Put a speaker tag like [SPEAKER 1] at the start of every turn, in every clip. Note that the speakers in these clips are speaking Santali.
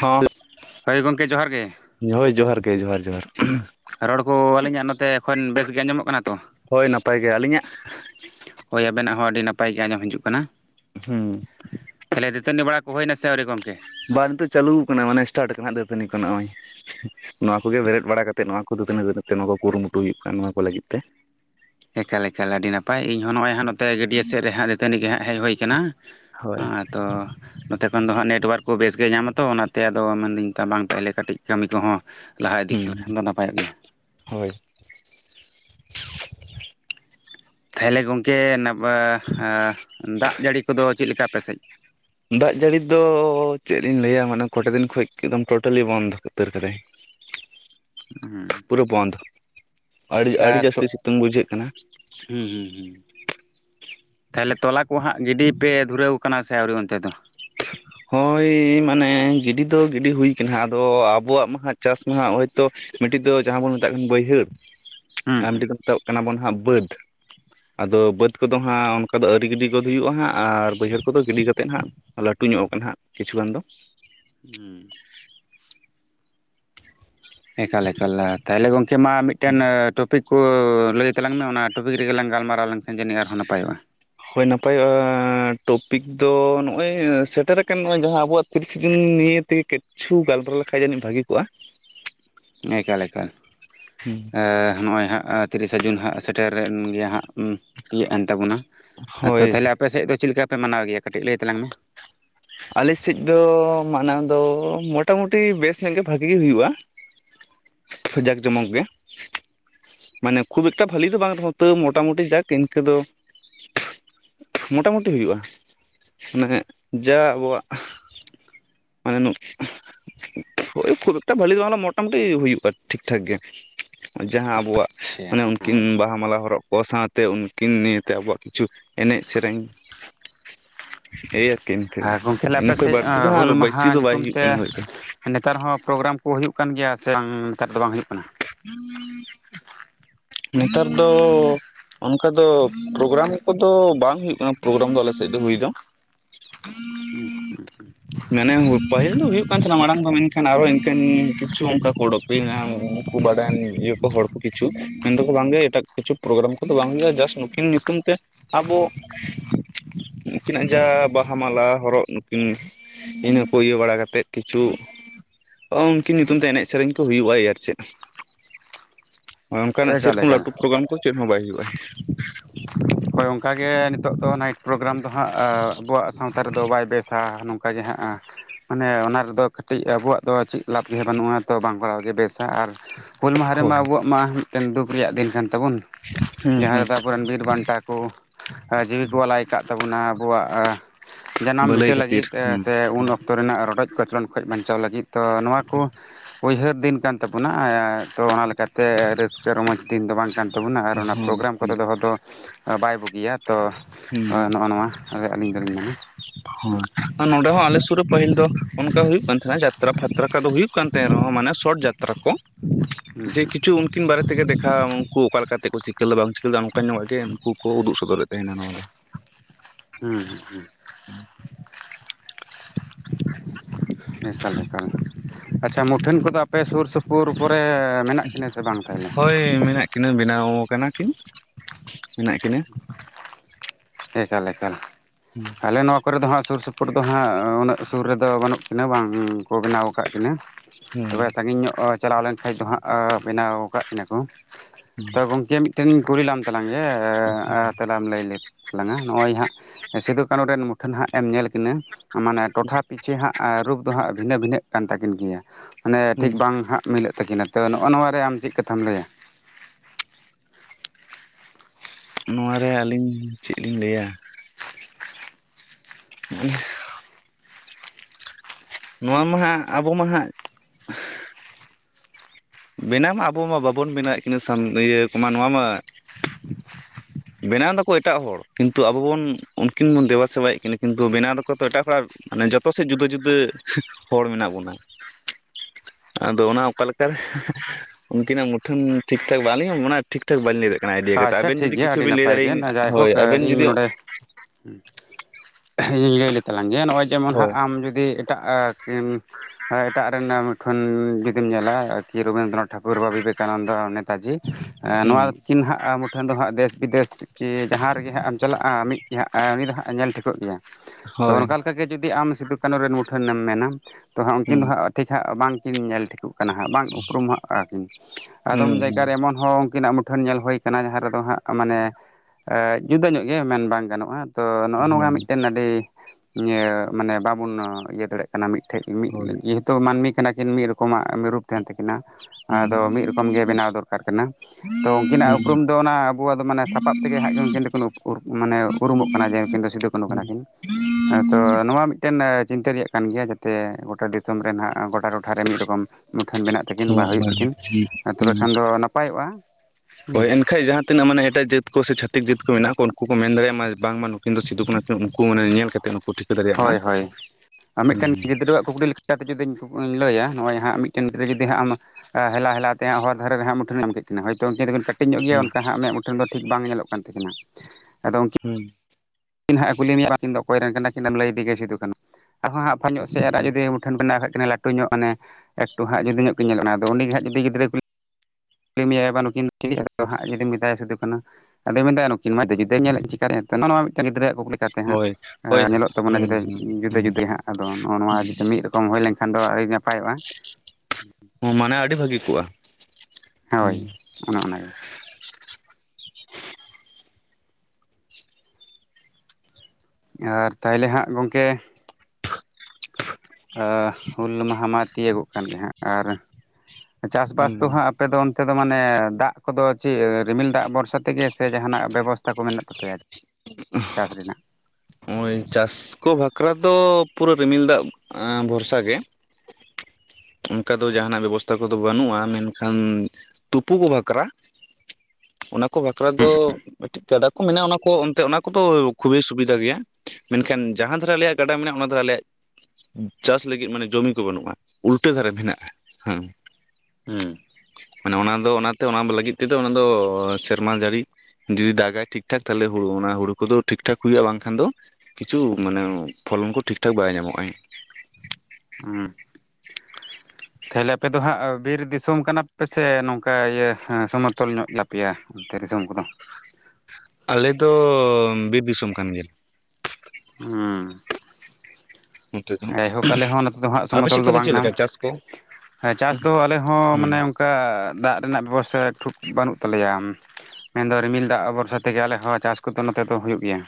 [SPEAKER 1] ᱦᱚᱸ
[SPEAKER 2] ᱦᱳᱭ ᱜᱚᱢᱠᱮ, ᱡᱚᱦᱟᱨ ᱜᱮ ᱾
[SPEAKER 1] ᱦᱳᱭ ᱡᱚᱦᱟᱨ ᱜᱮ, ᱡᱚᱦᱟᱨ ᱡᱚᱦᱟᱨ᱾
[SPEAKER 2] ᱨᱚᱲ ᱠᱚ ᱟᱹᱞᱤᱧᱟᱜ ᱱᱚᱛᱮ ᱠᱷᱚᱱ, ᱵᱮᱥ ᱜᱮ ᱟᱸᱡᱚᱢᱚᱜ ᱠᱟᱱᱟ ᱛᱚ?
[SPEAKER 1] ᱦᱳᱭ ᱱᱟᱯᱟᱭ ᱜᱮ ᱟᱹᱞᱤᱧᱟᱜ
[SPEAKER 2] ᱦᱳᱭ ᱟᱵᱮᱱᱟᱜ ᱦᱚᱸ ᱟᱹᱰᱤ ᱱᱟᱯᱟᱭ ᱜᱮ, ᱟᱸᱡᱚᱢ ᱦᱤᱡᱩᱜ ᱠᱟᱱᱟ᱾
[SPEAKER 1] ᱦᱩᱸ᱾
[SPEAKER 2] ᱛᱟᱦᱚᱞᱮ, ᱫᱟᱹᱛᱟᱹᱱᱤ ᱵᱟᱲᱟ ᱠᱚ ᱦᱩᱭᱱᱟ ᱥᱮ ᱟᱹᱣᱨᱤ ᱜᱚᱢᱠᱮ?
[SPEAKER 1] ᱵᱟᱝ ᱱᱤᱛᱚᱜ ᱪᱟᱹᱞᱩ ᱟᱠᱟᱱᱟ, ᱢᱟᱱᱮ ᱥᱴᱟᱴ ᱟᱠᱟᱱᱟ ᱫᱟᱹᱛᱟᱹᱱᱤ ᱠᱚ ᱱᱚᱜᱼᱚᱭ᱾ ᱱᱚᱣᱟ ᱠᱚᱜᱮ ᱵᱮᱨᱮᱫ ᱵᱟᱲᱟ ᱠᱟᱛᱮᱜ, ᱱᱚᱣᱟ ᱠᱚᱫᱚ ᱛᱤᱱᱟᱹᱜᱹ [inaudible] ᱱᱚᱣᱟ ᱠᱚ ᱠᱩᱨᱩᱢᱩᱴᱩ ᱦᱩᱭᱩᱜ ᱠᱟᱱᱟ ᱱᱚᱣᱟ ᱠᱚ ᱞᱟᱹᱜᱤᱫ ᱛᱮ᱾
[SPEAKER 2] ᱮᱠᱟᱞ ᱮᱠᱟᱞ ᱟᱹᱰᱤ ᱱᱟᱯᱟᱭ᱾ ᱤᱧ ᱦᱚᱸ ᱱᱚᱜᱼᱚᱭ ᱦᱟᱸᱜ ᱱᱚᱛᱮ ᱜᱟᱹᱰᱭᱟᱹ ᱥᱮᱫ ᱨᱮ ᱦᱟᱸᱜ ᱫᱟᱹᱛᱟᱹᱱᱤ ᱜᱮ ᱦᱟᱸᱜ ᱦᱮᱡ ᱦᱩᱭ ᱟᱠᱟᱱᱟ᱾
[SPEAKER 1] ᱦᱳᱭ
[SPEAKER 2] ᱦᱮ ᱛᱚ ᱾ ᱱᱚᱛᱮ ᱠᱷᱚᱱ ᱫᱚ ᱦᱟᱸᱜ ᱱᱮᱴᱳᱣᱟᱨᱠ ᱠᱚ ᱵᱮᱥ ᱜᱮ ᱧᱟᱢᱟ ᱛᱚ, ᱚᱱᱟᱛᱮ ᱟᱫᱚ ᱢᱮᱱᱫᱟᱹᱧ ᱵᱟᱝ ᱛᱟᱦᱮᱸᱞᱮ ᱠᱟᱹᱴᱤᱡ ᱠᱟᱹᱢᱤ ᱠᱚᱦᱚᱸ ᱞᱟᱦᱟ ᱤᱫᱤ ᱠᱷᱮᱞ
[SPEAKER 1] ᱦᱩᱸ
[SPEAKER 2] ᱞᱮᱠᱷᱟᱱ ᱫᱚ ᱱᱟᱯᱟᱭᱚᱜ ᱜᱮᱭᱟ᱾
[SPEAKER 1] ᱦᱳᱭ᱾
[SPEAKER 2] ᱛᱟᱦᱚᱞᱮ ᱜᱚᱝᱠᱮ, ᱱᱟ [unintelligible] ᱫᱟᱜ ᱡᱟᱹᱲᱤ ᱠᱚᱫᱚ ᱪᱮᱫ ᱞᱮᱠᱟ ᱟᱯᱮᱥᱮᱡ?
[SPEAKER 1] ᱫᱟᱜ ᱡᱟᱹᱲᱤ ᱫᱚ ᱪᱮᱫ ᱞᱤᱧ ᱞᱟᱹᱭᱟ, ᱢᱟᱱᱮ ᱠᱚᱴᱟ ᱫᱤᱱ ᱠᱷᱚᱡ ᱮᱠᱫᱚᱢ ᱴᱳᱴᱟᱞᱤ ᱵᱚᱱᱫᱷᱚ ᱩᱛᱟᱹᱨ ᱠᱟᱫᱟᱭ᱾
[SPEAKER 2] ᱦᱮᱸ᱾
[SPEAKER 1] ᱯᱩᱨᱟᱹ ᱵᱚᱱᱫᱷ ᱟᱹᱰᱤ ᱟᱹᱰᱤ
[SPEAKER 2] ᱟᱨ ᱛᱚ
[SPEAKER 1] ᱡᱟᱹᱥᱛᱤ ᱥᱤᱛᱩᱝ ᱵᱩᱡᱷᱟᱹᱜ ᱠᱟᱱᱟ᱾
[SPEAKER 2] ᱦᱩᱸ ᱦᱩᱸ ᱦᱩᱸ᱾ ᱛᱟᱦᱚᱞᱮ ᱛᱚᱞᱟ ᱠᱚ ᱦᱟᱸᱜ, ᱜᱤᱰᱤ ᱯᱮ ᱫᱷᱩᱨᱟᱹᱣ ᱟᱠᱟᱱᱟ ᱥᱮ ᱟᱹᱣᱨᱤ ᱚᱱᱛᱮ ᱫᱚ?
[SPEAKER 1] ᱦᱳᱭ ᱢᱟᱱᱮ, ᱜᱤᱰᱤ ᱫᱚ ᱜᱤᱰᱤ ᱦᱩᱭ ᱠᱟᱱᱟ ᱟᱫᱚ ᱟᱵᱚᱣᱟᱜ ᱢᱟ ᱦᱟᱸᱜ ᱪᱟᱥ ᱢᱟ ᱦᱟᱸᱜ ᱦᱚᱭᱛᱚ ᱢᱤᱫᱴᱤᱡ ᱫᱚ ᱡᱟᱦᱟᱸ ᱵᱚᱱ ᱢᱮᱛᱟᱜ ᱠᱟᱱ, ᱵᱟᱹᱭᱦᱟᱹᱲ
[SPEAKER 2] ᱦᱩᱸ
[SPEAKER 1] ᱟᱨ
[SPEAKER 2] ᱦᱩᱸ
[SPEAKER 1] ᱢᱤᱫᱴᱤᱡ ᱫᱚ ᱢᱮᱛᱟᱜ ᱠᱟᱱᱟ ᱵᱚᱱ ᱦᱟᱸᱜ ᱵᱟᱹᱫᱽ᱾ ᱟᱫᱚ ᱵᱟᱹᱫᱽ ᱠᱚᱫᱚ ᱦᱟᱸᱜ ᱚᱱᱠᱟ ᱫᱚ ᱟᱹᱣᱨᱤ ᱜᱤᱰᱤ ᱜᱚᱫ ᱦᱩᱭᱩᱜᱼᱟ ᱦᱟᱸᱜ, ᱟᱨ ᱵᱟᱹᱭᱦᱟᱹᱲ ᱠᱚᱫᱚ ᱜᱤᱰᱤ ᱠᱟᱛᱮᱫ ᱦᱟᱸᱜ [inaudible] ᱧᱚᱜ ᱠᱟᱱᱟ ᱦᱟᱸᱜ ᱠᱤᱪᱷᱩ ᱜᱟᱱ ᱫᱚ᱾
[SPEAKER 2] ᱦᱩᱸ᱾
[SPEAKER 1] [inaudible]
[SPEAKER 2] ᱮᱠᱟᱞ ᱮᱠᱟᱞ᱾ ᱛᱟᱦᱞᱮ ᱜᱚᱝᱠᱮ ᱢᱟ ᱢᱤᱫᱴᱮᱱ
[SPEAKER 1] ᱦᱩᱸ
[SPEAKER 2] ᱴᱚᱯᱤᱠ ᱠᱚ ᱞᱟᱹᱭ ᱛᱟᱞᱟᱝ ᱢᱮ, ᱚᱱᱟ ᱴᱚᱯᱤᱠ ᱨᱮᱜᱮ ᱞᱟᱝ ᱜᱟᱞᱢᱟᱨᱟᱣ ᱞᱮᱱᱠᱷᱟᱱ ᱡᱟᱹᱱᱤᱡ ᱟᱨᱦᱚᱸ ᱱᱟᱯᱟᱭᱚᱜᱼᱟ᱾
[SPEAKER 1] ᱦᱳᱭ ᱱᱟᱯᱟᱭᱚᱜᱼᱟ᱾ ᱴᱚᱯᱤᱠ ᱫᱚ ᱱᱚᱜᱼᱚᱭ ᱥᱮᱴᱮᱨᱟ ᱟᱠᱟᱱ, ᱱᱚᱜᱼᱚᱭ ᱡᱟᱦᱟᱸ ᱟᱵᱚᱣᱟᱜ ᱛᱤᱥᱮ ᱡᱩᱱ ᱤᱭᱟᱹ ᱛᱮᱜᱮ ᱠᱤᱪᱷᱩ ᱜᱟᱞᱢᱟᱨᱟᱣ ᱞᱮᱠᱷᱟᱡ ᱡᱟᱹᱱᱤᱡ ᱵᱷᱟᱹᱜᱤ ᱠᱚᱜᱼᱟ᱾
[SPEAKER 2] ᱮᱠᱟᱞ ᱮᱠᱟᱞ
[SPEAKER 1] ᱦᱩᱸ
[SPEAKER 2] ᱾ᱱᱚᱜᱼᱚᱭ ᱦᱟᱸᱜ ᱛᱤᱨᱤᱥᱟ ᱡᱩᱱ ᱦᱟᱸᱜ ᱥᱮᱴᱮᱨᱮᱱ ᱜᱮᱭᱟ ᱦᱟᱸᱜ ᱛᱤᱭᱟᱹᱜ ᱮᱱ ᱛᱟᱵᱚᱱᱟ᱾ ᱛᱚ
[SPEAKER 1] ᱦᱳᱭ
[SPEAKER 2] ᱛᱟᱦᱚᱞᱮ ᱟᱯᱮ ᱥᱮᱫ ᱫᱚ ᱪᱮᱫ ᱞᱮᱠᱟ ᱯᱮ ᱢᱟᱱᱟᱣ ᱜᱮᱭᱟ, ᱠᱟᱹᱴᱤᱡ ᱞᱟᱹᱭ ᱛᱟᱞᱟᱝ ᱢᱮ?
[SPEAKER 1] ᱟᱞᱮ ᱥᱮᱫ ᱫᱚ ᱢᱟᱱᱟᱣ ᱫᱚ ᱢᱚᱴᱟ ᱢᱩᱴᱤ ᱵᱮᱥ ᱧᱚᱜ ᱜᱮ ᱵᱷᱟᱜᱤ ᱜᱮ ᱦᱩᱭᱩᱜᱼᱟ᱾ ᱚᱡᱟᱠ ᱡᱚᱢᱚᱠ ᱜᱮ᱾ ᱢᱟᱱᱮ ᱠᱷᱩᱵ ᱮᱠᱴᱟ ᱵᱷᱟᱞᱤ ᱫᱚ ᱵᱟᱝ ᱨᱮᱦᱚᱸ ᱛᱟᱹᱣ ᱢᱚᱴᱟᱢᱩᱴᱤ ᱡᱟᱠ ᱤᱱᱠᱟᱹ ᱫᱚ ᱢᱳᱴᱟᱢᱩᱴᱤ ᱦᱩᱭᱩᱜᱼᱟ, ᱢᱟᱱᱮ ᱡᱟ ᱟᱵᱚᱣᱟᱜ ᱢᱟᱱᱮ ᱱᱚᱜ- ᱳᱭ ᱠᱷᱩᱵ ᱮᱠᱴᱟ ᱵᱷᱟᱞᱤ ᱫᱚ ᱵᱟᱝ ᱢᱚᱴᱟᱢᱩᱴᱤ ᱦᱩᱭᱩᱜ-ᱟ, ᱴᱷᱤᱠᱼᱴᱷᱟᱠ ᱜᱮ ᱡᱟᱦᱟᱸ ᱟᱵᱚᱣᱟᱜ
[SPEAKER 2] ᱟᱪᱪᱷᱟ
[SPEAKER 1] ᱢᱟᱱᱮ ᱩᱱᱠᱤᱱ
[SPEAKER 2] ᱦᱳᱭ
[SPEAKER 1] ᱵᱟᱦᱟ ᱢᱟᱞᱟ ᱦᱚᱨᱚᱜ ᱠᱚ ᱥᱟᱣ- ᱛᱮ ᱩᱱᱠᱤᱱ ᱱᱤᱭᱟᱹᱛᱮ ᱟᱵᱚᱣᱟᱜ ᱠᱤᱪᱷᱩ ᱮᱱᱮᱡ ᱥᱮᱨᱮᱧ᱾ ᱤᱭᱟᱹ ᱤᱱᱠᱟᱹ ᱜᱮ
[SPEAKER 2] ᱟᱨ ᱜᱚᱝᱠᱮ
[SPEAKER 1] ᱤᱱᱟᱹ
[SPEAKER 2] ᱟᱯᱮ
[SPEAKER 1] ᱠᱷᱚᱡ
[SPEAKER 2] ᱥᱮᱫ
[SPEAKER 1] ᱵᱟᱹᱲᱛᱤ ᱫᱚ ᱟᱨ
[SPEAKER 2] ᱦᱩᱞ ᱢᱟᱦᱟ
[SPEAKER 1] ᱵᱟᱹᱭᱥᱤ ᱫᱚ ᱵᱟᱭ
[SPEAKER 2] ᱧᱩᱛᱩᱢ
[SPEAKER 1] ᱦᱩᱭᱩᱜ
[SPEAKER 2] ᱛᱮ
[SPEAKER 1] ᱠᱟᱱᱟ ᱦᱳᱭ ᱛᱚ᱾
[SPEAKER 2] ᱱᱮᱛᱟᱨ ᱦᱚᱸ ᱯᱨᱳᱜᱨᱟᱢ ᱠᱚ ᱦᱩᱭᱩᱜ ᱠᱟᱱ ᱜᱮᱭᱟ ᱥᱮ ᱵᱟᱝ ᱱᱮᱛᱟᱨ ᱫᱚ ᱵᱟᱝ ᱦᱩᱭᱩᱜ ᱠᱟᱱᱟ?
[SPEAKER 1] ᱱᱮᱛᱟᱨ ᱫᱚᱻ ᱚᱱᱠᱟ ᱫᱚ ᱯᱨᱳᱜᱨᱟᱢ ᱠᱚᱫᱚ ᱵᱟᱝ ᱦᱳᱭᱳᱜ ᱠᱟᱱᱟ ᱯᱨᱳᱜᱨᱟᱢ ᱫᱚ ᱟᱞᱮᱥᱮᱫ ᱫᱚ ᱦᱩᱭ ᱫᱚ᱾
[SPEAKER 2] ᱦᱩᱸ ᱦᱩᱸ
[SPEAKER 1] ᱢᱟᱱᱮ ᱯᱟᱹᱦᱤᱞ ᱫᱚ ᱦᱩᱭᱩᱜ ᱠᱟᱱ ᱛᱟᱦᱮᱱᱟ ᱢᱟᱲᱟᱝ ᱫᱚ ᱢᱮᱱᱠᱷᱟᱱ ᱟᱨᱚ ᱤᱱᱠᱟᱹᱱ ᱠᱤᱪᱷᱩ ᱚᱱᱠᱟ ᱠᱚ ᱚᱰᱳᱠ ᱦᱩᱭᱱᱟ᱾ ᱠᱩ ᱵᱟᱰᱟᱭᱟᱱ ᱤᱭᱟᱹ ᱠᱚ ᱦᱚᱲ ᱠᱚ ᱠᱤᱪᱷᱩ ᱢᱮᱱᱫᱚᱠᱚ ᱵᱟᱝᱜᱮ ᱮᱴᱟᱜ ᱠᱤᱪᱷᱩ ᱯᱨᱳᱜᱨᱟᱢ ᱠᱚᱫᱚ ᱵᱟᱝ ᱦᱳᱭᱳᱜ-ᱟ, ᱡᱟᱥᱴ ᱱᱩᱠᱤᱱ ᱧᱩᱛᱩᱢ ᱛᱮ ᱟᱵᱚ ᱱᱩᱠᱤᱱᱟᱜ ᱡᱟ ᱵᱟᱦᱟ ᱢᱟᱞᱟ ᱦᱚᱨᱚᱜ ᱱᱩᱠᱤᱱ ᱤᱱᱟᱹ ᱠᱚ ᱤᱭᱟᱹ ᱵᱟᱲᱟ ᱠᱟᱛᱮᱫ ᱠᱤᱪᱷᱩ ᱚ ᱩᱱᱠᱤᱱ ᱧᱩᱛᱩᱢ ᱛᱮ ᱮᱱᱮᱡ ᱥᱮᱨᱮᱧ ᱠᱚ ᱦᱩᱭᱩᱜ-ᱟ, ᱟᱨ ᱪᱮᱫ
[SPEAKER 2] [unintelligible]
[SPEAKER 1] ᱚᱱᱠᱟᱱᱟᱜ ᱥᱮ
[SPEAKER 2] ᱮᱠᱟᱞ
[SPEAKER 1] ᱨᱚᱠᱚᱢ
[SPEAKER 2] ᱮᱠᱟᱞ
[SPEAKER 1] ᱞᱟᱹᱴᱩ ᱯᱨᱳᱜᱨᱟᱢ ᱠᱚ ᱪᱮᱫ ᱦᱚᱸ ᱵᱟᱭ ᱦᱩᱭᱩᱜ-ᱟ᱾
[SPEAKER 2] ᱦᱳᱭ ᱚᱱᱠᱟᱜᱮ ᱱᱤᱛᱚᱜ ᱫᱚ ᱱᱟᱭᱤᱴ ᱯᱨᱳᱜᱨᱟᱢ ᱫᱚ ᱦᱟᱸᱜ ᱟᱵᱚᱣᱟᱜ ᱥᱟᱶᱛᱟ ᱨᱮᱫᱚ ᱵᱟᱭ ᱵᱮᱥᱟ᱾ ᱚᱱᱠᱟ ᱡᱟᱦᱟ ᱟᱜ ᱢᱟᱱᱮ ᱚᱱᱟ ᱨᱮᱫᱚ ᱠᱟᱹᱴᱤᱡ ᱟᱵᱚᱣᱟᱜ ᱫᱚ ᱪᱮᱫ ᱞᱟᱵᱷ ᱜᱮ ᱵᱟᱱᱩᱜ-ᱟ᱾ ᱛᱚ ᱵᱟᱝ ᱠᱚᱨᱟᱣ ᱜᱮ ᱵᱮᱥᱟ ᱟᱨ ᱦᱩᱞ ᱢᱟᱦᱟ ᱨᱮᱢᱟ
[SPEAKER 1] ᱦᱳᱭ
[SPEAKER 2] ᱟᱵᱚᱣᱟᱜ ᱢᱟ ᱢᱤᱫᱴᱮᱱ ᱫᱩᱠ ᱨᱮᱭᱟᱜ ᱫᱤᱱ ᱠᱟᱱ ᱛᱟᱵᱚᱱ᱾
[SPEAKER 1] ᱦᱩᱸ
[SPEAKER 2] ᱡᱟᱦᱟᱸ
[SPEAKER 1] ᱦᱩᱸ
[SPEAKER 2] ᱨᱮᱫᱚ ᱟᱵᱚᱨᱮᱱ ᱵᱤᱨ ᱵᱟᱱᱴᱟ ᱠᱚ ᱡᱤᱣᱤ ᱠᱚ ᱟᱞᱟᱭ ᱟᱠᱟᱫ ᱛᱟᱵᱚᱱᱟ ᱟᱵᱚᱣᱟᱜ ᱡᱟᱱᱟᱢ
[SPEAKER 1] ᱵᱷᱟᱹᱞᱟᱹᱭ
[SPEAKER 2] ᱵᱷᱤᱴᱟᱹ
[SPEAKER 1] ᱠᱷᱟᱹᱛᱤᱨ
[SPEAKER 2] ᱞᱟᱹᱜᱤᱫ
[SPEAKER 1] ᱦᱩᱸ
[SPEAKER 2] ᱥᱮ ᱩᱱ- ᱚᱠᱛᱚ ᱨᱮᱱᱟᱜ ᱨᱚᱰᱚᱡ ᱠᱚᱪᱞᱚᱱ ᱠᱷᱚᱱ ᱵᱟᱧᱪᱟᱣ ᱞᱟᱹᱜᱤᱫ ᱛᱚ ᱱᱚᱣᱟ ᱠᱚ ᱩᱭᱦᱟᱹᱨ ᱫᱤᱱ ᱠᱟᱱ ᱛᱟᱵᱚᱱᱟ ᱛᱚ ᱚᱱᱟ ᱞᱮᱠᱟᱛᱮ ᱨᱟᱹᱥᱠᱟᱹ ᱨᱚᱢᱚᱡᱽ ᱫᱤᱱ ᱫᱚ ᱵᱟᱝ ᱠᱟᱱ ᱛᱟᱵᱚᱱᱟ ᱟᱨ ᱚᱱᱟ
[SPEAKER 1] ᱦᱩᱸ
[SPEAKER 2] ᱯᱨᱳᱜᱨᱟᱢ ᱠᱚᱫᱚ ᱫᱚᱦᱚ ᱫᱚ ᱵᱟᱭ ᱵᱩᱜᱤᱭᱟ᱾ ᱛᱚ
[SPEAKER 1] ᱦᱩᱸ
[SPEAKER 2] ᱱᱚᱜ-ᱚ ᱱᱚᱣᱟ ᱟᱹᱞᱤᱧ ᱫᱚᱞᱤᱧ ᱢᱮᱱᱟ᱾
[SPEAKER 1] ᱦᱚᱸ ᱟᱨ ᱱᱚᱰᱮ ᱦᱚᱸ ᱟᱞᱮ ᱥᱩᱨ ᱨᱮ ᱯᱟᱹᱦᱤᱞ ᱫᱚ ᱚᱱᱠᱟ ᱦᱩᱭᱩᱜ ᱠᱟᱱ ᱛᱟᱦᱮᱱᱟ ᱡᱟᱛᱨᱟ ᱯᱷᱟᱛᱨᱟ ᱠᱚᱫᱚ ᱦᱩᱭᱩᱜ ᱠᱟᱱ ᱛᱟᱦᱮᱸ ᱨᱮᱦᱚᱸ ᱢᱟᱱᱮ ᱥᱚᱴ ᱡᱟᱛᱨᱟ ᱠᱚ᱾ ᱡᱮ ᱠᱤᱪᱷᱩ ᱩᱱᱠᱤᱱ ᱵᱟᱨᱮ- ᱛᱮᱜᱮ ᱫᱮᱠᱷᱟᱣ᱾ ᱩᱱᱠᱩ ᱚᱠᱟ ᱞᱮᱠᱟ ᱞᱮᱠᱟ ᱛᱮᱠᱚ ᱪᱤᱠᱟᱹ ᱞᱮᱫᱟ ᱵᱟᱝ ᱠᱚ ᱪᱤᱠᱟᱹ ᱞᱮᱫᱟ ᱚᱱᱠᱟ ᱧᱚᱜ ᱜᱮ ᱩᱱᱠᱩ ᱠᱚ ᱩᱫᱩᱜ ᱥᱚᱫᱚᱨᱮᱫ ᱛᱟᱦᱮᱱᱟ ᱱᱚᱣᱟ ᱫᱚ᱾
[SPEAKER 2] ᱦᱩᱸ ᱦᱩᱸ ᱦᱩᱸ ᱮᱠᱟᱞ ᱮᱠᱟᱞ ᱟᱪᱪᱷᱟ ᱢᱩᱴᱷᱟᱹᱱ ᱠᱚᱫᱚ ᱟᱯᱮ ᱥᱩᱨ ᱥᱩᱯᱩᱨ ᱠᱚᱨᱮ ᱢᱮᱱᱟᱜ ᱠᱤᱱᱟ ᱥᱮ ᱵᱟᱝ ᱛᱟᱦᱞᱮ?
[SPEAKER 1] ᱦᱮᱸ ᱢᱮᱱᱟᱜ ᱠᱤᱱᱟᱹ ᱵᱮᱱᱟᱣ ᱟᱠᱟᱱᱟ ᱠᱤᱱ ᱢᱮᱱᱟᱜ ᱠᱤᱱᱟᱹ᱾
[SPEAKER 2] ᱮᱠᱟᱞ ᱮᱠᱟᱞ
[SPEAKER 1] ᱦᱩᱸ
[SPEAKER 2] ᱟᱞᱮ ᱱᱚᱣᱟ ᱠᱚᱨᱮ ᱫᱚ ᱦᱟᱸᱜ ᱥᱩᱨ ᱥᱩᱯᱩᱨ ᱫᱚ ᱦᱟᱸᱜ ᱩᱱᱟᱹᱜ ᱥᱩᱨ ᱨᱮᱫᱚ ᱵᱟᱹᱱᱩᱜ ᱠᱤᱱᱟᱹ ᱵᱟᱝ ᱠᱚ ᱵᱮᱱᱟᱣ ᱟᱠᱟᱫ ᱠᱤᱱᱟᱹ᱾ ᱛᱚᱵᱮ ᱥᱟᱺᱜᱤᱧ ᱧᱚᱜ ᱪᱟᱞᱟᱣ ᱞᱮᱱᱠᱷᱟᱡ ᱫᱚ ᱦᱟᱸᱜ ᱵᱮᱱᱟᱣ ᱠᱟᱜ ᱠᱤᱱᱟᱹ ᱠᱚ᱾ ᱛᱚ ᱜᱚᱝᱠᱮ ᱢᱤᱫᱴᱮᱱ ᱠᱩᱞᱤᱞᱟᱢ ᱛᱟᱞᱟᱝ ᱜᱮ
[SPEAKER 1] ᱦᱩᱸ
[SPEAKER 2] ᱛᱮᱞᱟᱢ ᱞᱟᱹᱭ ᱛᱟᱞᱟᱝᱟ ᱱᱚᱜ-ᱚᱭ ᱦᱟᱸᱜ ᱥᱤᱫᱩ ᱠᱟᱹᱱᱩ ᱨᱮᱱ ᱢᱩᱴᱷᱟᱹᱱ ᱦᱟᱸᱜ ᱮᱢ ᱧᱮᱞ ᱠᱤᱱᱟᱹ ᱢᱟᱱᱮ ᱴᱚᱴᱷᱟ ᱯᱤᱪᱷᱤ ᱦᱟᱸᱜ ᱨᱩᱯ ᱫᱚ ᱦᱟᱸᱜ ᱵᱷᱤᱱᱟᱹ ᱵᱷᱤᱱᱟᱹᱜ ᱠᱟᱱ ᱛᱟᱹᱠᱤᱱ ᱜᱮᱭᱟ ᱢᱟᱱᱮ ᱴᱷᱤᱠ
[SPEAKER 1] ᱦᱩᱸ
[SPEAKER 2] ᱵᱟᱝ ᱦᱟᱸᱜ ᱢᱤᱞᱟᱹᱜ ᱛᱟᱹᱠᱤᱱᱟ᱾ ᱛᱚ, ᱱᱚᱜ-ᱚ ᱱᱚᱣᱟ ᱨᱮ ᱟᱢ ᱪᱮᱫ ᱠᱟᱛᱷᱟᱢ ᱞᱟᱹᱭᱟ?
[SPEAKER 1] ᱱᱚᱣᱟᱨᱮ ᱟᱹᱞᱤᱧ ᱪᱮᱫ ᱞᱤᱧ ᱞᱟᱹᱭᱟ? [unintelligible] ᱱᱚᱣᱟ ᱢᱟ ᱦᱟᱸᱜ, ᱟᱵᱚ ᱢᱟ ᱦᱟᱸᱜ᱾ ᱵᱮᱱᱟᱣ ᱢᱟ ᱟᱵᱚ ᱢᱟ ᱵᱟᱵᱚᱱ ᱵᱮᱱᱟᱣᱮᱫ ᱠᱤᱱᱟᱹ ᱤᱭᱟᱹ ᱠᱚᱢᱟ, ᱱᱚᱣᱟ ᱢᱟ᱾
[SPEAKER 2] [inaudible]
[SPEAKER 1] ᱵᱮᱱᱟᱣ ᱫᱟᱠᱚ ᱮᱴᱟᱜ ᱦᱚᱲ, ᱠᱤᱱᱛᱩ ᱟᱵᱚ ᱵᱚᱱ ᱩᱱᱠᱤᱱ ᱵᱚᱱ ᱫᱮᱵᱟ ᱥᱮᱵᱟᱭᱮᱫ ᱠᱤᱱᱟᱹ ᱠᱤᱱᱛᱩ ᱵᱮᱱᱟᱣ ᱫᱟᱠᱚ ᱛᱚ ᱮᱴᱟᱜ ᱦᱚᱲ ᱟᱨ ᱢᱟᱱᱮ ᱡᱚᱛᱚ ᱥᱮᱫ ᱡᱩᱫᱟᱹ ᱡᱩᱫᱟᱹ ᱦᱚᱲ ᱢᱮᱱᱟᱜ ᱵᱚᱱᱟ᱾ ᱟᱫᱚ ᱚᱱᱟ ᱚᱠᱟᱞᱮᱠᱟᱨᱮ ᱩᱱᱠᱤᱱᱟᱜ ᱢᱩᱴᱷᱟᱹᱱ ᱴᱷᱤᱠ-ᱴᱷᱟᱠ ᱟᱞᱤᱧ ᱦᱚᱸ ᱚᱱᱟ ᱴᱷᱤᱠ-ᱴᱷᱟᱠ ᱵᱟᱹᱞᱤᱧ ᱞᱟᱹᱭ ᱫᱟᱲᱮᱭᱟᱜ ᱠᱟᱱᱟ ᱟᱭᱰᱤᱭᱟ ᱠᱟᱛᱮ,
[SPEAKER 2] ᱟᱪᱪᱷᱟ
[SPEAKER 1] ᱟᱵᱮᱱ
[SPEAKER 2] ᱴᱷᱤᱠ
[SPEAKER 1] ᱡᱩᱤ
[SPEAKER 2] ᱜᱮᱭᱟ ᱟᱹᱰᱤ
[SPEAKER 1] ᱠᱤᱪᱷᱩᱵᱤᱱ ᱞᱟᱹᱭ
[SPEAKER 2] ᱱᱟᱯᱟᱭ ᱜᱮ
[SPEAKER 1] ᱫᱟᱲᱮᱭᱧ ᱦᱳᱭ ᱟᱵᱮᱱ ᱡᱩᱫᱤ᱾
[SPEAKER 2] ᱦᱩᱸ, ᱤᱧᱤᱧ ᱞᱟᱹᱭ ᱞᱮᱛᱟᱞᱟᱝ ᱡᱮ ᱱᱚᱜ-ᱚᱭ ᱡᱮᱢᱚᱱ
[SPEAKER 1] ᱦᱳᱭ
[SPEAKER 2] ᱦᱟᱸᱜ ᱟᱢ ᱡᱩᱫᱤ ᱮᱴᱟᱜ ᱠᱤᱱ ᱮᱴᱟᱜ ᱨᱮᱱᱟᱜ ᱢᱩᱴᱷᱟᱹᱱ ᱵᱤᱫ ᱡᱩᱫᱤ ᱵᱮᱱ ᱧᱮᱞᱟ ᱠᱤ ᱨᱚᱵᱤᱱᱫᱨᱚᱱᱟᱛᱷ ᱴᱷᱟᱠᱩᱨ ᱵᱟ ᱵᱤᱵᱮᱠᱟᱱᱚᱱᱫᱚ, ᱱᱮᱛᱟᱡᱤ ᱮᱸ
[SPEAKER 1] ᱦᱩᱸ
[SPEAKER 2] ᱱᱚᱣᱟ ᱱᱩᱠᱤᱱ ᱦᱟᱸᱜ ᱢᱩᱴᱷᱟᱹᱱ ᱫᱚ ᱦᱟᱸᱜ ᱫᱮᱥ-ᱵᱤᱫᱮᱥ ᱠᱤ ᱡᱟᱦᱟᱸ ᱨᱮᱜᱮ ᱦᱟᱸᱜ ᱮᱢ ᱪᱟᱞᱟᱜ-ᱟ ᱢᱤᱫ ᱜᱮᱦᱟᱸᱜ ᱩᱱᱤ ᱫᱚ ᱦᱟᱸᱜ ᱧᱮᱞ ᱴᱷᱤᱠᱚᱜ ᱜᱮᱭᱟ᱾ ᱛᱚ
[SPEAKER 1] ᱦᱳᱭ
[SPEAKER 2] ᱚᱱᱠᱟ ᱞᱮ ᱚᱱᱠᱟᱜᱮ ᱡᱩᱫᱤ ᱟᱢ ᱥᱤᱫᱩ ᱠᱟᱹᱱᱩ ᱨᱮᱱ ᱢᱩᱴᱷᱟᱹᱱᱮᱢ ᱢᱮᱱᱟ, ᱛᱚ ᱦᱟᱸᱜ ᱩᱱᱠᱤᱱ
[SPEAKER 1] ᱦᱩᱸ
[SPEAKER 2] ᱫᱚ ᱦᱟᱸᱜ ᱴᱷᱤᱠ ᱦᱟᱸᱜ ᱵᱟᱝᱠᱤᱱ ᱧᱮᱞ ᱴᱷᱤᱠᱚᱜ ᱠᱟᱱᱟ ᱦᱟᱸᱜ ᱵᱟᱝ ᱩᱯᱨᱩᱢ ᱦᱟᱸᱜ ᱟᱹᱠᱤᱱ᱾ ᱟᱫᱚᱢ
[SPEAKER 1] ᱦᱩᱸ
[SPEAKER 2] ᱡᱟᱭᱜᱟᱟᱨ ᱨᱮ ᱮᱢᱚᱱ ᱦᱚᱸ ᱩᱱᱠᱤᱱᱟᱜ ᱢᱩ ᱢᱩᱴᱷᱟᱹᱱ ᱧᱮᱞ ᱦᱩᱭᱠᱟᱱᱟ ᱡᱟᱦᱟᱸ ᱨᱮᱫᱚ ᱦᱟᱸᱜ ᱢᱟᱱᱮ ᱟᱻ ᱡᱩᱫᱟᱹ ᱧᱚᱜ ᱜᱮ ᱢᱮᱱ ᱵᱟᱝ ᱜᱟᱱᱚᱜ-ᱟ᱾ ᱛᱚ, ᱱᱚᱜ-ᱚ
[SPEAKER 1] ᱦᱩᱸ
[SPEAKER 2] ᱱᱚᱣᱟ
[SPEAKER 1] ᱦᱩᱸ
[SPEAKER 2] ᱢᱤᱫᱴᱮᱱ ᱟᱹᱰᱤ ᱤᱭᱟᱹ ᱢᱟᱱᱮ ᱵᱟᱵᱚᱱ ᱤᱭᱟᱹ ᱫᱟᱲᱮᱜ ᱠᱟᱱᱟ ᱢᱤᱫᱴᱷᱮᱡ᱾
[SPEAKER 1] ᱦᱳᱭ
[SPEAKER 2] ᱡᱮᱦᱮᱛᱩ ᱢᱟᱹᱱᱢᱤ ᱠᱟᱱᱟ ᱠᱤᱱ ᱢᱤᱫ ᱨᱚᱠᱚᱢᱟᱜ ᱨᱩᱯ ᱛᱟᱸᱦᱮᱱ ᱛᱟᱹᱠᱤᱱᱟ
[SPEAKER 1] ᱦᱩᱸ
[SPEAKER 2] ᱟᱫᱚ ᱢᱤᱫ ᱨᱚ ᱠᱚᱢ ᱜᱮ ᱵᱮᱱᱟᱣ ᱫᱚᱨᱠᱟᱨ ᱠᱟᱱᱟ᱾ ᱛᱚ ᱩᱱᱠᱤᱱᱟᱜ ᱩᱯᱨᱩᱢ ᱫᱚ ᱚᱱᱟ ᱟᱵᱚᱣᱟᱜ ᱫᱚ ᱢᱟᱱᱮ ᱥᱟᱯᱟᱵ ᱛᱮᱜᱮ ᱦᱟᱸᱜ ᱜᱮ ᱩᱱᱠᱤᱱ ᱫᱚᱠᱤᱱ ᱢᱟᱱᱮ ᱩᱨᱩᱢᱚᱜ ᱠᱟᱱᱟ ᱡᱮ ᱩᱱᱠᱤᱱ ᱫᱚ ᱥᱤᱫᱩ ᱠᱟᱹᱱᱩ ᱠᱟᱱᱟ
[SPEAKER 1] ᱦᱩᱸ
[SPEAKER 2] ᱠᱤᱱ᱾ ᱦᱮᱸ ᱛᱚ, ᱱᱚᱣᱟ ᱢᱤᱫᱴᱮᱱ ᱪᱤᱱᱛᱟᱹ ᱨᱮᱭᱟᱜ ᱠᱟᱱ ᱜᱮᱭᱟ ᱡᱟᱛᱮ ᱜᱚᱴᱟ ᱫᱤᱥᱚᱢ ᱨᱮᱱᱟᱜ ᱜᱚᱴᱟ ᱴᱚᱴᱷᱟᱨᱮ ᱢᱤᱫ ᱨᱚᱠᱚᱢ ᱢᱩᱴᱷᱟᱹᱱ ᱵᱮᱱᱟᱜ ᱛᱟᱹᱠᱤᱱ ᱵᱟ
[SPEAKER 1] ᱦᱳᱭ
[SPEAKER 2] ᱦᱳᱭᱳᱜ
[SPEAKER 1] ᱦᱳᱭ
[SPEAKER 2] ᱛᱟᱹᱠᱤᱱ
[SPEAKER 1] ᱦᱩᱸ
[SPEAKER 2] ᱛᱚᱵᱮ
[SPEAKER 1] ᱦᱩᱸ
[SPEAKER 2] ᱠᱷᱟᱱ ᱫᱚ ᱱᱟᱯᱟᱭᱚᱜ-ᱟ᱾
[SPEAKER 1] ᱦᱳᱭ ᱮᱱ ᱪᱷᱟᱹᱭ ᱡᱟᱦᱟᱸ ᱛᱤᱱᱟᱹᱜ ᱢᱟᱱᱮ ᱮᱴᱟᱜ ᱡᱟᱹᱛ ᱥᱮ ᱪᱷᱟᱛᱤᱠ ᱡᱟᱹᱛ ᱢᱮᱱᱟᱜ ᱠᱚ ᱩᱱ ᱠᱚ ᱢᱮᱱ ᱫᱟᱲᱮᱭᱟᱜ ᱢᱟ ᱵᱟᱝ ᱱᱩᱠᱤᱱ ᱫᱚ ᱥᱤᱫᱩ ᱠᱟᱹᱱᱩ᱾ ᱩᱱᱠᱩ ᱢᱟᱱᱮ ᱧᱮᱞ ᱠᱟᱛᱮᱫ ᱦᱚᱸᱠᱚ ᱴᱷᱤᱠ᱾
[SPEAKER 2] ᱦᱳᱭ ᱦᱳᱭ ᱟᱨ ᱢᱤᱫᱴᱮᱱ ᱜᱤᱫᱽᱨᱟᱹᱣᱟᱜ ᱠᱩᱠᱞᱤ ᱞᱮᱠᱟ ᱪᱤᱠᱟᱹᱛᱮ ᱡᱩᱫᱤᱧ ᱞᱟᱹᱭᱟ ᱱᱚᱣᱟ ᱜᱮ ᱦᱟᱸᱜ ᱢᱤᱫᱴᱮᱱ ᱜᱤᱫᱽᱨᱟᱹ ᱡᱩᱫᱤ ᱦᱟᱸᱜ ᱟᱢ ᱦᱮᱞᱟᱣ ᱦᱮᱞᱟᱣᱛᱮ ᱦᱟᱸᱜ ᱦᱚᱨ ᱫᱷᱟᱨᱮ ᱨᱮ ᱦᱟᱸᱜ ᱢᱩᱴᱷᱟᱹᱱ ᱧᱟᱢ ᱠᱮᱫ ᱠᱤᱱᱟᱹ ᱦᱚᱭᱛᱳ ᱩᱱᱤᱱ ᱫᱚᱵᱤᱱ ᱠᱟᱴ ᱴᱤᱡ ᱧᱚᱜ ᱜᱮᱭᱟ
[SPEAKER 1] ᱦᱩᱸ
[SPEAKER 2] ᱚᱱᱠᱟ ᱦᱟᱸᱜ ᱢᱮᱸᱫ ᱢᱩᱴᱷᱟᱹᱱ ᱫᱚ ᱴᱷᱤᱠ ᱵᱟᱝ ᱧᱮᱞᱚᱜ ᱠᱟᱱ ᱛᱟᱠᱤᱱᱟ ᱟᱫᱚ
[SPEAKER 1] ᱦᱩᱸ᱾
[SPEAKER 2] ᱠᱤᱱ ᱦᱟᱸᱜ ᱠᱩᱞᱤ ᱢᱮᱭᱟ ᱫᱚ ᱚᱠᱚᱭ ᱨᱮᱱ ᱠᱟᱱᱟ ᱠᱤᱱ ᱞᱟᱹᱭ ᱟᱫᱮᱜᱮ ᱥᱤᱫᱩ ᱠᱟᱱᱩ᱾ ᱟᱨᱦᱚᱸ [unintelligible] ᱧᱚᱜ ᱥᱮ ᱟᱨᱟᱜ
[SPEAKER 1] ᱦᱩᱸ
[SPEAKER 2] ᱡᱩᱫᱤ ᱢᱩᱴᱷᱟᱹᱱ ᱵᱮᱱᱟᱣ ᱠᱟᱜ ᱠᱤᱱᱟᱹᱭ ᱞᱟᱴ ᱞᱟᱹᱴᱩ ᱧᱚᱜ ᱢᱟᱱᱮ, ᱮᱠᱴᱩ ᱦᱟᱸᱜ ᱡᱩᱫᱟᱹ ᱧᱚᱜ ᱠᱤᱱ ᱧᱮᱞᱚᱜ ᱠᱟᱱᱟ ᱟᱫᱚ ᱩᱱᱤᱜ ᱜᱮ ᱦᱟᱸᱜ ᱡᱩᱫᱤ ᱜᱤᱫᱽᱨᱟᱹ ᱠᱩᱞᱤ ᱠᱩᱞᱤ ᱢᱮᱭᱟᱭ ᱵᱟ ᱱᱩᱠᱤᱱ ᱫᱚ ᱪᱤᱞᱤ ᱠᱟᱱᱟ ᱠᱤᱱ ᱦᱟᱸᱜ? ᱡᱩᱫᱤᱢ ᱢᱮᱛᱟᱭᱟ ᱥᱤᱫᱩ ᱠᱟᱱᱩ᱾ ᱟᱫᱚᱭ ᱢᱮᱱᱫᱟᱭ ᱱᱩᱠᱤᱱ ᱢᱟ ᱡᱩᱫᱟᱹᱧ ᱧᱮᱞᱮᱫ ᱪᱤᱠᱟᱛᱮ ᱦᱟᱸᱜ ᱱᱤᱛᱳᱝ ᱱᱚᱣᱟ ᱢᱤᱫᱴᱮᱱ ᱜᱤᱫᱨᱟᱹᱣᱟᱜ ᱠᱩᱠ ᱞᱮᱠᱟᱛᱮ ᱛᱮ ᱦᱟᱸᱜ
[SPEAKER 1] ᱦᱳᱭ ᱦᱳᱭ
[SPEAKER 2] ᱮᱸ ᱧᱮᱞᱚᱜ ᱛᱟᱵᱚᱱᱟ
[SPEAKER 1] ᱦᱩᱸ
[SPEAKER 2] ᱡᱩᱫᱟᱹ, ᱡᱩᱫᱟᱹ
[SPEAKER 1] ᱦᱩᱸ
[SPEAKER 2] ᱡᱩᱫᱟᱹ ᱦᱟᱸᱜ ᱟᱫᱚ ᱱᱚᱜ-ᱚ ᱱᱚᱣᱟ ᱢᱤᱫ ᱨᱚᱠᱚᱢ ᱠᱚᱢ ᱦᱩᱭ ᱞᱮᱱᱠᱷᱟᱱ ᱫᱚ ᱟᱹᱰᱤ ᱱᱟᱯᱟᱭᱚᱜ-ᱟ᱾
[SPEAKER 1] ᱢᱟᱱᱮ ᱟᱹᱰᱤ ᱵᱷᱟᱹᱜᱤ ᱠᱚᱜ-ᱟ᱾
[SPEAKER 2] ᱦᱳᱭ, ᱚᱱ ᱚᱱᱟᱜᱮ᱾ ᱟᱨ ᱛᱟᱦᱞᱮ ᱦᱟᱸᱜ ᱜᱚᱝᱠᱮ᱾ ᱟᱻ ᱦᱩᱞ ᱢᱟᱦᱟ ᱢᱟ ᱛᱤᱭᱳᱹᱜᱚᱜ ᱠᱟᱱ ᱜᱮ ᱦᱟᱸᱜ ᱟᱨ ᱪᱟᱥᱵᱟᱥ
[SPEAKER 1] ᱦᱩᱸ
[SPEAKER 2] ᱫᱚ ᱦᱟᱸᱜ? ᱟᱯᱮ ᱫᱚ ᱚᱱᱛᱮ ᱫᱚ ᱢᱟᱱᱮ ᱫᱟᱜ ᱠᱚᱫᱚ ᱪᱮ ᱨᱤᱢᱤᱞ ᱫᱟᱜ ᱵᱚᱨᱥᱟ ᱛᱮᱜᱮ ᱥᱮ ᱡᱟᱸᱦᱟᱱᱟᱜ ᱵᱮᱵᱚᱥᱛᱟ ᱠᱚ ᱢᱮᱱᱟᱜ ᱛᱟᱯᱮᱭᱟ? ᱪᱟᱥ ᱨᱮᱱᱟᱜ᱾
[SPEAKER 1] ᱦᱳᱭ, ᱪᱟᱥ ᱠᱚ ᱵᱟᱠᱷᱨᱟ ᱛᱚ ᱯᱩᱨᱟᱹ ᱨᱤᱢᱤᱞ ᱫᱟᱜ ᱮᱸ ᱵᱷᱚᱨᱥᱟ ᱜᱮ᱾ ᱚᱱᱠᱟ ᱫᱚ ᱡᱟᱦᱟᱱᱟᱜ ᱵᱮᱵᱚᱥᱛᱟ ᱠᱚᱫᱚ ᱵᱟᱹᱱᱩᱜᱼᱟ ᱢᱮᱱᱠᱷᱟᱱ ᱛᱩᱯᱩ ᱠᱚ ᱵᱷᱟᱠᱨᱟ, ᱚᱱᱟ ᱠᱚ ᱵᱟᱠᱷᱨᱟ ᱫᱚ ᱢᱤᱫᱴᱤᱡ ᱜᱟᱰᱟ ᱠᱚ ᱢᱮᱱᱟᱜᱼᱟ ᱚᱱᱟ ᱠᱚ ᱚᱱᱛᱮ ᱚᱱᱟ ᱠᱚᱫᱚ ᱠᱷᱩᱵᱮᱭ ᱥᱩᱵᱤᱫᱷᱟ ᱜᱮᱭᱟ᱾ ᱢᱮᱱᱠᱷᱟᱱ ᱡᱟᱦᱟᱸ ᱫᱷᱟᱨᱟ ᱟᱞᱮᱭᱟᱜ ᱜᱟᱰᱟ ᱢᱮᱱᱟᱜᱼᱟ ᱚᱱᱟ ᱫᱚ ᱟᱞᱮᱭᱟᱜ ᱪᱟᱥ ᱞᱟᱹᱜᱤᱫ ᱢᱟᱱᱮ ᱡᱚᱢᱤ ᱠᱚ ᱵᱟᱹᱱᱩᱜᱼᱟ, ᱩᱞᱴᱟᱹ ᱫᱷᱟᱨᱮ ᱢᱮᱱᱟᱜᱼᱟ ᱦᱮᱸ᱾
[SPEAKER 2] ᱦᱩᱸ᱾
[SPEAKER 1] ᱢᱟᱱᱮ ᱚᱱᱟ ᱫᱚ ᱚᱱᱟᱛᱮ ᱚᱱᱟ ᱞᱟᱹᱜᱤᱫ ᱛᱮᱫᱚ ᱚᱱᱟ ᱫᱚ ᱥᱮᱨᱢᱟ ᱡᱟᱹᱲᱤ ᱡᱩᱫᱤ ᱫᱟᱜᱟᱭ ᱴᱷᱤᱠ ᱴᱷᱟᱠ ᱛᱟᱦᱚᱞᱮ ᱦᱩᱲᱩ ᱚᱱᱟ ᱦᱩᱲᱩ ᱠᱚᱫᱚ ᱴᱷᱤᱠ ᱴᱷᱟᱠ ᱦᱩᱭᱩᱜᱼᱟ ᱵᱟᱝᱠᱷᱟᱱ ᱫᱚ ᱠᱤᱪᱷᱩ ᱢᱟᱱᱮ ᱯᱷᱚᱞᱚᱱ ᱠᱚ ᱴᱷᱤᱠ ᱴᱷᱟᱠ ᱵᱟᱭ ᱧᱟᱢᱚᱜᱼᱟᱭ᱾
[SPEAKER 2] ᱦᱩᱸ᱾ ᱛᱟᱦᱞᱮ ᱟᱯᱮ ᱫᱚ ᱦᱟᱸᱜ ᱵᱤᱨ ᱫᱤᱥᱚᱢ ᱠᱟᱱᱟ ᱯᱮ ᱥᱮ ᱱᱚᱝᱠᱟ ᱤᱭᱟᱹ ᱦᱮᱸ ᱥᱚᱢᱚᱛᱷᱚᱞ ᱧᱚᱜ ᱜᱮᱭᱟᱯᱮ ᱭᱟ? ᱚᱱᱛᱮ ᱫᱤᱥᱚᱢ ᱠᱚᱫᱚ᱾
[SPEAKER 1] ᱟᱞᱮᱫᱚ ᱵᱤᱨ ᱫᱤᱥᱚᱢ ᱠᱟᱱ ᱜᱮᱭᱟᱞᱮ᱾
[SPEAKER 2] ᱦᱮᱸ᱾
[SPEAKER 1] ᱱᱚᱛᱮ ᱫᱚ
[SPEAKER 2] [unintelligible] ᱟᱞᱮ ᱦᱚᱸ ᱱᱚᱛᱮ ᱫᱚ ᱦᱟᱸᱜ
[SPEAKER 1] ᱟᱯᱮ
[SPEAKER 2] ᱥᱚᱢᱚᱛᱚᱞ
[SPEAKER 1] ᱥᱮᱫ
[SPEAKER 2] ᱫᱚ
[SPEAKER 1] ᱛᱟᱦᱚᱞᱮ
[SPEAKER 2] ᱵᱟᱝ
[SPEAKER 1] ᱪᱮᱫ
[SPEAKER 2] ᱠᱟᱱᱟ᱾
[SPEAKER 1] ᱞᱮᱠᱟ ᱪᱟᱥ ᱠᱚ
[SPEAKER 2] ᱦᱮᱸ ᱪᱟᱥ ᱫᱚ ᱟᱞᱮ ᱦᱚᱸ
[SPEAKER 1] ᱦᱮᱸ
[SPEAKER 2] ᱢᱟᱱᱮ ᱚᱱᱠᱟ ᱫᱟᱜ ᱨᱮᱱᱟᱜ ᱵᱮᱵᱚᱥᱛᱷᱟ ᱠᱷᱩᱵ ᱵᱟᱹᱱᱩᱜ ᱛᱟᱞᱮᱭᱟ᱾ ᱢᱮᱱᱫᱚ ᱨᱤᱢᱤᱞ ᱫᱟᱜ ᱵᱷᱚᱨᱥᱟ ᱛᱮᱜᱮ ᱟᱞᱮ ᱦᱚᱸ ᱪᱟᱥ ᱠᱚᱫᱚ ᱱᱚᱛᱮ ᱫᱚ ᱦᱩᱭᱩᱜ ᱜᱮᱭᱟ᱾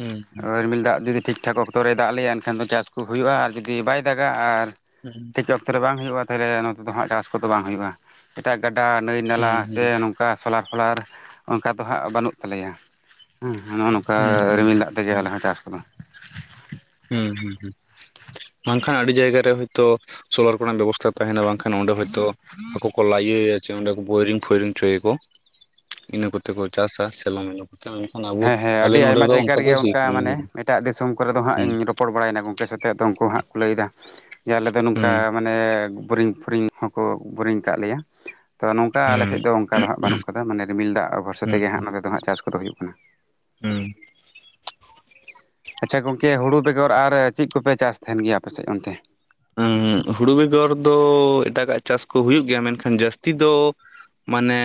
[SPEAKER 1] ᱦᱮᱸ
[SPEAKER 2] ᱳᱭ ᱨᱤᱢᱤᱞ ᱫᱟᱜ ᱡᱩᱫᱤ ᱴᱷᱤᱠ ᱴᱷᱟᱠ ᱚ ᱟᱛᱳ ᱨᱮ ᱫᱟᱜ ᱞᱮᱭᱟ ᱮᱱᱠᱷᱟᱱ ᱫᱚ ᱪᱟᱥ ᱠᱚ ᱦᱩᱭᱩᱜᱼᱟ ᱟᱨ ᱡᱩᱫᱤ ᱵᱟᱭ ᱫᱟᱜᱟ ᱟᱨ
[SPEAKER 1] ᱦᱩᱸ᱾
[SPEAKER 2] [unintelligible] ᱨᱮ ᱵᱟᱝ ᱦᱩᱭᱩᱜᱼᱟ ᱛᱟᱦᱚᱞᱮ ᱱᱚᱛᱮ ᱫᱚ ᱦᱟᱸᱜ ᱪᱟᱥ ᱠᱚᱫᱚ ᱵᱟᱝ ᱦᱩᱭᱩᱜᱼᱟ, ᱮᱴᱟᱜ ᱜᱟᱰᱟ ᱱᱟᱹᱭ ᱱᱟᱞᱟ
[SPEAKER 1] ᱦᱮᱸ
[SPEAKER 2] ᱥᱮ
[SPEAKER 1] ᱦᱮᱸ
[SPEAKER 2] ᱱᱚ ᱠᱟ ᱥᱚᱞᱟᱨ ᱯᱷᱚᱞᱟᱨ ᱚᱱᱠᱟ ᱫᱚ ᱦᱟᱸᱜ ᱵᱟᱹᱱᱩᱜ ᱛᱟᱞᱮᱭᱟ ᱦᱮᱸ, ᱱᱚᱜᱼᱚ ᱱᱚᱝᱠᱟ
[SPEAKER 1] ᱦᱮᱸ ᱦᱮᱸ ᱦᱮᱸ
[SPEAKER 2] ᱨᱤᱢᱤᱞ ᱫᱟᱜ ᱛᱮᱜᱮ ᱟᱞᱮ ᱦᱚᱸ ᱪᱟᱥ ᱠᱚᱫᱚ᱾ [inaudible]
[SPEAKER 1] ᱦᱩᱸ ᱦᱩᱸ ᱦᱩᱸ᱾ ᱵᱟᱝᱠᱷᱟᱱ ᱟᱹᱰᱤ ᱡᱟᱭᱜᱟ ᱨᱮ ᱦᱳᱭᱛᱚ ᱥᱳᱞᱟᱨ ᱠᱚᱨᱮᱱᱟᱜ ᱵᱮᱵᱚᱥᱛᱟ ᱛᱟᱦᱮᱱᱟ ᱵᱟᱝᱠᱷᱟᱱ ᱚᱸᱰᱮ ᱦᱳᱭᱛᱚ ᱟᱠᱚ ᱠᱚ ᱞᱟᱭᱮ ᱪᱚ ᱚᱸᱰᱮ ᱠᱚ ᱵᱳᱭᱨᱤᱝ ᱯᱷᱳᱭᱨᱤᱝ ᱦᱚᱪᱚᱭᱟᱠᱚ, ᱤᱱᱟᱹ ᱠᱚᱛᱮ ᱠᱚ ᱪᱟᱥᱟ ᱥᱮᱞᱚ ᱢᱮᱞᱚ ᱠᱚᱛᱮ ᱢᱮᱱᱠᱷᱚᱱ ᱟᱵᱚ
[SPEAKER 2] ᱦᱮᱸ ᱦᱮᱸ
[SPEAKER 1] ᱟᱞᱮ
[SPEAKER 2] ᱟᱹᱰᱤ
[SPEAKER 1] ᱱᱚᱰᱮ
[SPEAKER 2] ᱟᱭᱢᱟ
[SPEAKER 1] ᱫᱚ
[SPEAKER 2] ᱡᱟᱭᱜᱟ
[SPEAKER 1] ᱚᱱᱠᱟ ᱫᱚ
[SPEAKER 2] ᱨᱮᱜᱮ
[SPEAKER 1] [unintelligible]
[SPEAKER 2] ᱢᱟᱱᱮ ᱮᱴᱟᱜ ᱫᱤᱥᱚᱢ ᱠᱚᱨᱮ ᱫᱚ ᱦᱟᱸᱜ
[SPEAKER 1] ᱦᱩᱸ
[SPEAKER 2] ᱤᱧ ᱨᱚᱯᱚᱲ ᱵᱟᱲᱟᱭᱮᱱᱟ ᱜᱚᱝᱠᱮ ᱥᱟᱛᱮ ᱟᱫᱚ ᱩᱱᱠᱩ ᱦᱟᱸᱜ ᱠᱚ ᱞᱟᱹᱭᱮᱫᱟ ᱡᱮ ᱟᱞᱮ ᱫᱚ ᱱᱚᱝᱠᱟ
[SPEAKER 1] ᱦᱩᱸ
[SPEAKER 2] ᱢᱟᱱᱮ ᱵᱳᱨᱤᱝ ᱯᱷᱳᱨᱤᱝ ᱦᱚᱸᱠᱚ ᱵᱳᱨᱤᱝ ᱠᱟᱜ ᱞᱮᱭᱟ ᱛᱚ ᱱᱚᱝᱠᱟ ᱟᱞᱮ
[SPEAKER 1] ᱦᱩᱸ
[SPEAKER 2] ᱥᱮᱫ ᱫᱚ ᱚᱱᱠᱟ ᱫᱚ ᱦᱟᱸᱜ ᱵᱟᱹᱱᱩᱜ-ᱟ᱾ ᱟᱫᱚ ᱢᱟᱱᱮ ᱨᱤᱢᱤᱞ ᱫᱟᱜ ᱵᱷᱚᱨᱥᱟ
[SPEAKER 1] ᱦᱩᱸ
[SPEAKER 2] ᱛᱮᱜᱮ ᱦᱟᱸᱜ ᱱᱚᱛᱮ ᱫᱚ ᱦᱟᱸᱜ ᱪᱟᱥ ᱠᱚᱫᱚ ᱦᱩᱭᱩᱜ ᱠᱟᱱᱟ᱾
[SPEAKER 1] ᱦᱩᱸ᱾
[SPEAKER 2] ᱟᱪᱪᱷᱟ ᱜᱚᱝᱠᱮ ᱦᱩᱲᱩ ᱵᱮᱜᱚᱨ ᱟᱨ ᱪᱮᱫ ᱠᱚᱯᱮ ᱪᱟᱥ ᱛᱟᱦᱮᱱ ᱜᱮᱭᱟ ᱟᱯᱮ ᱥᱮᱫ ᱚᱱᱛᱮ?
[SPEAKER 1] ᱩᱸ ᱦᱩᱲᱩ ᱵᱮᱜᱚᱨ ᱫᱚ ᱮᱴᱟᱜᱟᱜ ᱪᱟᱥ ᱠᱚ ᱦᱩᱭᱩᱜ ᱜᱮᱭᱟ ᱢᱮᱱᱠᱷᱟᱱ ᱡᱟᱹᱥᱛᱤ ᱫᱚ ᱢᱟᱱᱮ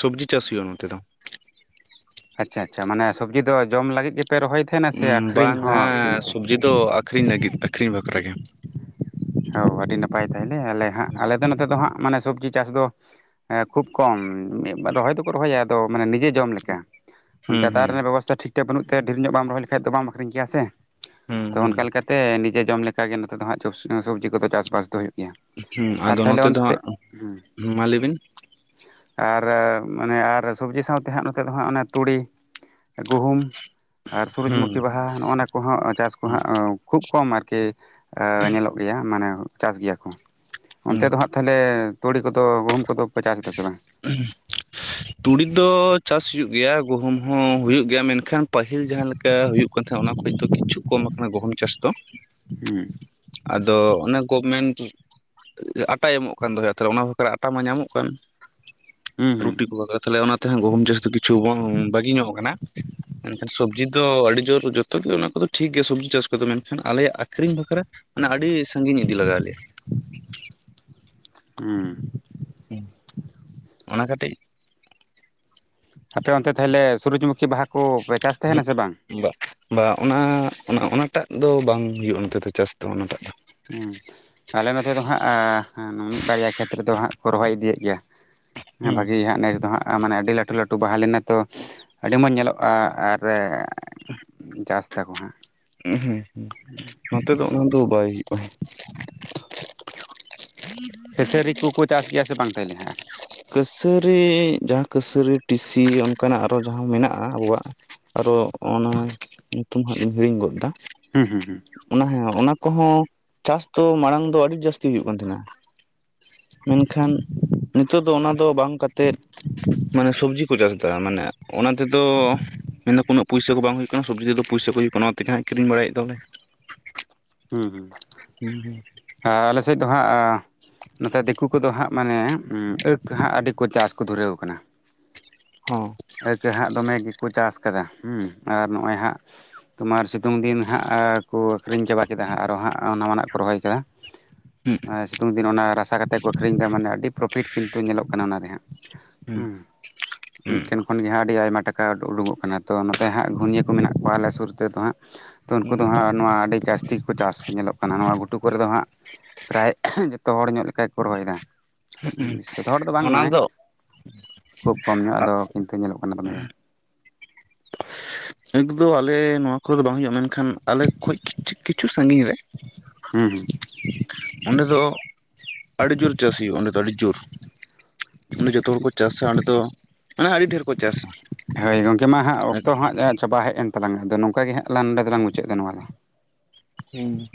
[SPEAKER 1] ᱥᱚᱵᱽᱡᱤ ᱪᱟᱥ ᱦᱩᱭᱩᱜᱼᱟ ᱱᱚᱛᱮ ᱫᱚ᱾
[SPEAKER 2] ᱟᱪᱪᱷᱟ ᱟᱪᱪᱷᱟ ᱢᱟᱱᱮ ᱥᱚᱵᱽᱡᱤ ᱫᱚ ᱡᱚᱢ ᱞᱟᱹᱜᱤᱫ ᱜᱮᱯᱮ ᱨᱚᱦᱚᱭᱮᱫᱟ?
[SPEAKER 1] ᱦᱩᱸ ᱵᱟᱝ-ᱟ ᱥᱚᱵᱽᱡᱤ ᱫᱚ ᱟᱠᱷᱨᱤᱧ ᱞᱟᱹᱜᱤᱫ ᱟᱹᱠᱷᱨᱤᱧ ᱵᱟᱠᱷᱨᱟ ᱜᱮ᱾
[SPEAKER 2] ᱚ ᱟᱹᱰᱤ ᱱᱟᱯᱟᱭ ᱛᱟᱭᱞᱮ ᱟᱞᱮ ᱦᱟᱸᱜ ᱟᱞᱮ ᱫᱚ ᱱᱚᱛᱮ ᱫᱚ ᱦᱟᱸᱜ ᱢᱟᱱᱮ ᱥᱚᱵᱽᱡᱤ ᱪᱟᱥ ᱫᱚ ᱮᱸ ᱠᱷᱩᱵ ᱠᱚᱢ ᱢᱤᱫ ᱵᱟᱨ ᱨᱚᱦᱚᱭ ᱫᱚᱠᱚ ᱨᱚᱦᱚᱭᱟ ᱟᱫᱚ ᱢᱟᱱᱮ ᱱᱤᱡᱮ ᱡᱚᱢ ᱞᱮᱠᱟ᱾
[SPEAKER 1] ᱦᱩᱸ
[SPEAKER 2] ᱚᱱᱠᱟ ᱫᱟᱜ
[SPEAKER 1] ᱦᱩᱸ
[SPEAKER 2] ᱨᱮᱱᱟᱜ ᱵᱮᱵᱚᱥᱛᱷᱟ ᱴᱷᱤᱠ ᱴᱷᱟᱠ ᱵᱟᱹᱱᱩᱜ ᱛᱮ ᱰᱷᱮᱨ ᱧᱚᱜ ᱵᱟᱢ ᱨᱚᱦᱚᱭ ᱞᱮᱠᱷᱟᱡ ᱫᱚ ᱵᱟᱢ ᱟᱠᱷᱨᱤᱧ ᱠᱮᱭᱟ ᱥᱮ᱾
[SPEAKER 1] ᱦᱩᱸ
[SPEAKER 2] ᱛᱚ
[SPEAKER 1] ᱦᱩᱸ
[SPEAKER 2] ᱚᱱᱠᱟ ᱞᱮᱠᱟᱛᱮ ᱱᱤᱡᱮ ᱡᱚᱢ ᱞᱮᱠᱟ ᱜᱮ ᱱᱚᱛᱮ ᱫᱚ ᱦᱟᱸᱜ ᱪᱚᱥ ᱮᱸ ᱥᱚᱵᱽᱡᱤ ᱠᱚᱫᱚ ᱪᱟᱥᱼᱵᱟᱥ ᱫᱚ ᱦᱩᱭᱩᱜ ᱜᱮᱭᱟ᱾
[SPEAKER 1] ᱦᱩᱸ,
[SPEAKER 2] ᱟᱨ
[SPEAKER 1] ᱟᱫᱚ
[SPEAKER 2] ᱛᱟᱦᱚᱞᱮ
[SPEAKER 1] ᱱᱚᱛᱮ ᱫᱚ
[SPEAKER 2] ᱚᱱᱛᱮ
[SPEAKER 1] ᱦᱟᱸᱜ,
[SPEAKER 2] ᱦᱮᱸ
[SPEAKER 1] ᱢᱟ ᱞᱟᱹᱭ ᱵᱤᱱ᱾
[SPEAKER 2] ᱟᱨ ᱢᱟᱱᱮ ᱟᱨ ᱥᱚᱵᱽᱡᱤ ᱥᱟᱶᱛᱮ ᱦᱟᱸᱜ ᱱᱚᱛᱮ ᱫᱚ ᱦᱟᱸᱜ ᱚᱱᱮ ᱛᱩᱲᱤ᱾ ᱜᱩᱦᱩᱢ ᱟᱨ ᱥᱩᱨᱩᱡᱽ
[SPEAKER 1] ᱦᱩᱸ
[SPEAKER 2] ᱢᱩᱠᱷᱤ ᱵᱟᱦᱟ ᱱᱚᱜ ᱚᱱᱟ ᱠᱚᱦᱚᱸ ᱪᱟᱥ ᱠᱚ
[SPEAKER 1] ᱦᱩᱸ
[SPEAKER 2] ᱦᱟᱸᱜ ᱠᱷᱩᱵ ᱠᱚᱢ ᱟᱨᱠᱤ ᱧᱮᱞᱚᱜ ᱜᱮᱭᱟ ᱢᱟᱱᱮ ᱪᱟᱥ ᱜᱮᱭᱟ ᱠᱚ
[SPEAKER 1] ᱦᱩᱸ
[SPEAKER 2] ᱚᱱᱛᱮ ᱫᱚ ᱦᱟᱸᱜ ᱛᱟᱦᱞᱮ ᱛᱩᱲᱤ ᱠᱚᱫᱚ ᱜᱩᱦᱩᱢ ᱠᱚᱫᱚ ᱯᱮ ᱪᱟᱥ ᱮᱫᱟ ᱥᱮ ᱵᱟᱝ
[SPEAKER 1] ᱛᱩᱲᱤ ᱫᱚ ᱪᱟᱥ ᱦᱩᱭᱩᱜ ᱜᱮᱭᱟ ᱜᱩᱦᱩᱢ ᱦᱚᱸ ᱦᱩᱭᱩᱜ ᱜᱮᱭᱟ ᱢᱮᱱᱠᱷᱟᱱ ᱯᱟᱹᱦᱤᱞ ᱡᱟᱦᱟᱸ ᱞᱮᱠᱟ ᱦᱩᱭᱩᱜ ᱠᱟᱱ ᱛᱟᱦᱮᱸᱱᱟ ᱚᱱᱟ ᱠᱷᱚᱡ ᱫᱚ ᱠᱤᱪᱷᱩ ᱠᱚᱢ ᱟᱠᱟᱱᱟ ᱜᱚᱦᱩᱢ ᱪᱟᱥ ᱫᱚ
[SPEAKER 2] ᱦᱩᱸ
[SPEAKER 1] ᱟᱫᱚ ᱚᱱᱮ ᱜᱚᱵᱽᱢᱮᱱᱴ ᱟᱴᱟᱭ ᱮᱢᱚᱜ ᱠᱟᱱ ᱫᱚ ᱡᱟᱛᱮ ᱚᱱᱟ ᱵᱟᱠᱷᱨᱟ ᱟᱴᱟ ᱢᱟ ᱧᱟᱢᱚᱜ ᱠᱟᱱ
[SPEAKER 2] ᱦᱩᱸ ᱦᱩᱸ
[SPEAKER 1] ᱨᱩᱴᱤ ᱠᱚ ᱵᱟᱜᱟᱣ ᱛᱟᱞᱮᱭᱟ ᱚᱱᱟ ᱛᱮᱦᱚᱸ ᱜᱩᱦᱩᱢ ᱪᱟᱥ ᱫᱚ ᱠᱤᱪᱷᱩ ᱵᱟᱹᱜᱤ ᱧᱚᱜ ᱠᱟᱱᱟ ᱢᱮᱱᱠᱷᱟᱱ ᱥᱚᱵᱽᱡᱤ ᱫᱚ ᱟᱹᱰᱤ ᱡᱳᱨ ᱡᱚᱛᱚ ᱜᱮ ᱚᱱᱟ ᱠᱚᱫᱚ ᱴᱷᱤᱠ ᱜᱮᱭᱟ ᱥᱚᱵᱽᱡᱤ ᱪᱟᱥ ᱠᱚᱫᱚ ᱢᱮᱱᱠᱷᱟᱱ ᱟᱞᱮᱭᱟᱜ ᱟᱠᱷᱨᱤᱧ ᱵᱟᱠᱷᱨᱟ ᱢᱟᱱᱮ ᱟᱹᱰᱤ ᱥᱟᱺᱜᱤᱧ ᱤᱫᱤ ᱞᱟᱜᱟᱣ ᱞᱮᱭᱟ
[SPEAKER 2] ᱦᱩᱸ
[SPEAKER 1] ᱦᱩᱸ ᱚᱱᱟ ᱠᱟᱹᱴᱤᱡ
[SPEAKER 2] ᱟᱯᱮ ᱚᱱᱛᱮ ᱛᱟᱦᱚᱞᱮ ᱥᱩᱨᱡ ᱢᱩᱠᱷᱤ ᱵᱟᱦᱟ ᱠᱚ ᱯᱮ ᱪᱟᱥ ᱛᱟᱦᱮᱱᱟ ᱥᱮ ᱵᱟᱝ
[SPEAKER 1] ᱵᱟ ᱵᱟ ᱚᱱᱟ ᱚᱱᱟ ᱚᱱᱟᱴᱟᱜ ᱫᱚ ᱵᱟᱝ ᱦᱩᱭᱩᱜᱼᱟ ᱱᱚᱛᱮ ᱫᱚ ᱪᱟᱥ ᱫᱚ ᱚᱱᱟᱴᱟᱜ ᱫᱚ
[SPEAKER 2] ᱦᱩᱸ ᱟᱞᱮ ᱱᱚᱛᱮ ᱫᱚ ᱦᱟᱸᱜ ᱢᱤᱫ ᱵᱟᱨᱭᱟ ᱠᱷᱮᱛ ᱨᱮ ᱫᱚ ᱦᱟᱸᱜ ᱠᱚ ᱨᱚᱦᱚᱭ ᱤᱫᱤᱭᱮᱫ ᱜᱮᱭᱟ ᱦᱮ
[SPEAKER 1] ᱦᱩᱸ
[SPEAKER 2] ᱵᱷᱟᱜᱮ ᱦᱟᱸᱜ ᱱᱮᱥ ᱫᱚ ᱦᱟᱸᱜ ᱢᱟᱱᱮ ᱟᱹᱰᱤ ᱞᱟᱹᱴᱩ ᱞᱟᱹᱴᱩ ᱵᱟᱦᱟ ᱞᱮᱱᱟ ᱛᱚ ᱟᱹᱰᱤ ᱢᱚᱡᱽ ᱧᱮᱞᱚᱜᱼᱟ ᱟᱨ ᱪᱟᱥ ᱫᱟᱠᱚ ᱦᱟᱸᱜ
[SPEAKER 1] ᱦᱩᱸ ᱦᱩᱸ ᱱᱚᱛᱮ ᱫᱚ ᱩᱱᱟ ᱫᱚ ᱵᱟᱭ ᱦᱩᱭᱩᱜᱼᱟ
[SPEAKER 2] ᱠᱷᱮᱥᱟᱹᱨᱤ ᱠᱚᱠᱚ ᱪᱟᱥ ᱜᱮᱭᱟ ᱥᱮ ᱵᱟᱝ ᱛᱟᱦᱞᱮ ᱦᱟᱸᱜ
[SPEAKER 1] ᱠᱟᱹᱥᱟᱹᱨᱤ ᱡᱟᱦᱟᱸ ᱠᱟᱹᱥᱟᱹᱨᱤ ᱴᱤᱥᱤ ᱚᱱᱠᱟᱱᱟᱜ ᱟᱨᱚ ᱡᱟᱦᱟᱸ ᱢᱮᱱᱟᱜᱼᱟ ᱟᱵᱚᱣᱟᱜ ᱟᱨᱚ ᱚᱱᱟ ᱧᱩᱛᱩᱢ ᱦᱟᱸᱜ ᱤᱧ ᱦᱤᱲᱤᱧ ᱜᱚᱫ ᱮᱫᱟ
[SPEAKER 2] ᱦᱩᱸ ᱦᱩᱸ ᱦᱩᱸ
[SPEAKER 1] ᱚᱱᱟ ᱦᱚᱸ ᱚᱱᱟ ᱠᱚᱦᱚᱸ ᱪᱟᱥ ᱫᱚ ᱢᱟᱲᱟᱝ ᱫᱚ ᱟᱹᱰᱤ ᱡᱟᱹᱥᱛᱤ ᱦᱩᱭᱩᱜ ᱠᱟᱱ ᱛᱟᱦᱮᱸᱱᱟ ᱢᱮᱱᱠᱷᱟᱱ ᱱᱤᱛᱚᱜ ᱫᱚ ᱚᱱᱟ ᱫᱚ ᱵᱟᱝ ᱠᱟᱛᱮᱫ ᱢᱟᱱᱮ ᱥᱚᱵᱽᱡᱤ ᱠᱚ ᱪᱟᱥ ᱫᱟ ᱢᱟᱱᱮ ᱚᱱᱟ ᱛᱮᱫᱚ ᱢᱮᱱ ᱫᱟᱠᱚ ᱩᱱᱟᱹᱜ ᱯᱩᱭᱥᱟᱹ ᱠᱚ ᱵᱟᱝ ᱦᱩᱭᱩᱜ ᱠᱟᱱᱟ ᱥᱚᱵᱽᱡᱤ ᱛᱮ ᱫᱚ ᱯᱚᱭᱥᱟᱹ ᱠᱚ ᱦᱩᱭᱩᱜ ᱠᱟᱱᱟ, ᱚᱱᱟ ᱛᱮᱜᱮ ᱦᱟᱸᱜ ᱠᱤᱨᱤᱧ ᱵᱟᱲᱟᱭᱮᱫ ᱫᱚᱞᱮ
[SPEAKER 2] ᱦᱩᱸ ᱦᱩᱸ
[SPEAKER 1] ᱦᱩᱸ ᱦᱩᱸ
[SPEAKER 2] ᱟᱞᱮᱥ ᱮᱫ ᱫᱚ ᱦᱟᱸᱜ ᱱᱚᱛᱮ ᱫᱤᱠᱩᱼᱼ ᱩᱱᱠᱩ ᱫᱚ ᱦᱟᱸᱜ ᱢᱟᱱᱮ ᱟᱹᱠᱽ ᱦᱟᱸᱜ ᱟᱹᱰᱤ ᱠᱚ ᱪᱟᱥ ᱠᱚ ᱫᱷᱩᱨᱟᱹᱣ ᱟᱠᱟᱱᱟ ᱾
[SPEAKER 1] ᱦᱚᱸ
[SPEAKER 2] ᱟᱹᱠᱽ ᱦᱟᱸᱜ ᱫᱚᱢᱮ ᱜᱮᱠᱚ ᱪᱟᱥ ᱟᱠᱟᱫᱟ ᱦᱩᱸ ᱟᱨ ᱱᱚᱜᱼᱚᱭ ᱦᱟᱸᱜᱼᱼ ᱛᱩᱢᱟᱨ ᱥᱤᱛᱩᱝ ᱫᱤᱱ ᱦᱟᱸᱜ ᱠᱩ ᱟᱹᱷᱨᱤᱧ ᱪᱟᱵᱟᱜᱼᱼ ᱠᱮᱫᱟ ᱟᱨᱚ ᱦᱟᱸᱜ ᱱᱟᱣᱟ ᱱᱟᱜ ᱠᱚ ᱨᱚᱦᱚᱭ ᱠᱮᱫᱟ ᱾ ᱥᱤᱛᱩᱝ ᱫᱤᱱ ᱚᱱᱟ ᱨᱟᱥᱟ ᱠᱟᱛᱮᱫ ᱠᱚ ᱟᱹᱠᱷᱨᱤᱧ ᱮᱫᱟ ᱢᱟᱱᱮ ᱟᱹᱰᱤ ᱯᱨᱚᱯᱷᱤᱴ ᱠᱤᱱᱛᱩ ᱧᱮᱞᱚᱜ ᱠᱟᱱᱟ ᱚᱱᱟ ᱨᱮ ᱦᱟᱸᱜ ᱾ ᱦᱩᱸ ᱾ ᱢᱤᱫᱴᱮᱱ ᱠᱷᱚᱱ ᱜᱮ ᱦᱟᱸᱜ ᱟᱹᱰᱤ ᱟᱭᱢᱟ ᱴᱟᱠᱟ ᱩᱰᱩᱠᱚᱜ ᱠᱟᱱᱟ ᱛᱚ ᱱᱚᱛᱮ ᱦᱜ ᱜᱷᱩᱱᱭᱟᱹᱼᱼ ᱠᱚ ᱢᱮᱱᱟᱜ ᱠᱚᱣᱟ ᱟᱞᱮ ᱥᱩᱨ ᱛᱮᱫᱚ ᱦᱟᱸᱜ ᱛᱚ ᱩᱱᱠᱩ ᱫᱚ ᱦᱟᱸᱜ ᱱᱚᱣᱟ ᱟᱹᱰᱤ ᱡᱟᱹᱥᱛᱤᱼᱼ ᱠᱚ ᱪᱟᱥ ᱠᱚ ᱧᱮᱞᱚᱜ ᱠᱟᱱᱟ ᱾ ᱱᱚᱣᱟ ᱜᱷᱩᱴᱩ ᱠᱚᱨᱮ ᱫᱚ ᱦᱟᱸᱜ ᱯᱨᱟᱭ ᱡᱚᱛᱚ ᱦᱚᱲ ᱧᱚᱜ ᱞᱮᱠᱟ ᱜᱮ ᱠᱚ ᱨᱚᱦᱚᱭ ᱮᱫᱟ ᱾ ᱡᱚᱛᱚ ᱦᱚᱲ ᱫᱚ ᱵᱟᱝ
[SPEAKER 1] ᱚᱱᱟ
[SPEAKER 2] ᱢᱟᱱᱮ
[SPEAKER 1] ᱫᱚ
[SPEAKER 2] ᱠᱷᱩᱵ ᱠᱚᱢ ᱧᱚᱜ ᱾ᱟᱫᱚ ᱠᱤᱱᱛᱩ ᱧᱮᱞᱚᱜ ᱠᱟᱱᱟ ᱫᱚᱢᱮᱼᱼ
[SPEAKER 1] ᱟᱹᱠ ᱠᱫ ᱟᱞᱮ ᱱᱚᱣᱟ ᱠᱚᱨᱮ ᱫᱚ ᱵᱟᱝ ᱦᱩᱭᱩᱜᱼᱟ ᱢᱮᱱᱠᱷᱟᱱ ᱟᱞᱮ ᱠᱷᱚᱡ ᱠᱤᱪᱷᱩᱼᱼ ᱠᱤᱪᱷᱩ ᱥᱟᱹᱜᱤᱧ ᱨᱮ᱾
[SPEAKER 2] ᱦᱮᱸ
[SPEAKER 1] ᱚᱸᱰᱮ ᱫᱚ ᱟᱹᱰᱤ ᱡᱳᱨ ᱪᱟᱹᱥ ᱦᱩᱭᱩᱜᱼᱟ ᱚᱸᱰᱮ ᱫᱚ ᱟᱹᱰᱤ ᱡᱳᱨ᱾ ᱚᱸᱰᱮ ᱡᱚᱛᱚ ᱦᱚᱲ ᱠᱚ ᱪᱟᱥᱟ ᱚᱸᱰᱮ ᱫᱚ ᱢᱟᱱᱮ ᱟᱹᱰᱤ ᱰᱷᱮᱨ ᱠᱚ ᱪᱟᱥᱟ᱾
[SPEAKER 2] ᱦᱟᱸᱭ ᱜᱚᱝᱠᱮ ᱢᱟ ᱦᱟᱸᱜ ᱚᱠᱛᱚ ᱦᱟᱸᱜ ᱪᱟᱵᱟ ᱦᱮᱜ ᱮᱱ ᱛᱟᱞᱝᱟ ᱟᱫᱚ ᱱᱚᱝᱠᱟ ᱜᱮ ᱦᱟᱸᱜ ᱞᱟᱝ ᱱᱚᱸᱰᱮ ᱫᱚᱞᱟᱝ ᱢᱩᱪᱟᱹᱫ ᱫᱟ ᱱᱚᱣᱟ ᱫᱚ᱾
[SPEAKER 1] ᱦᱩᱸ ᱦᱩᱸ